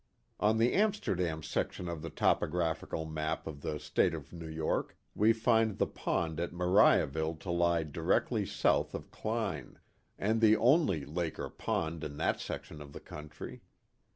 On the Amsterdam section of the topographical map of the State of New York, we find the pond at Mariaville to lie directly south of Kline, and the only lake or pond in that section of the country.